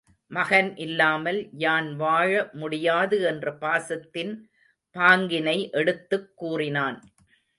மகன் இல்லாமல் யான் வாழ முடியாது என்ற பாசத்தின் பாங்கினை எடுத்துக் கூறினான்.